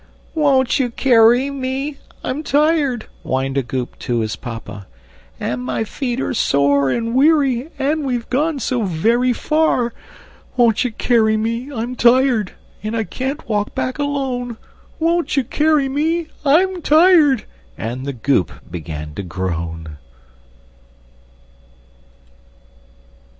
"Won't you carry me? I'm tired!" Whined a Goop to his Papa; "And my feet are sore and weary, And we've gone so very far! Won't you carry me? I'm tired! And I can't walk back alone! Won't you carry me? I'm tired!" And the Goop began to groan.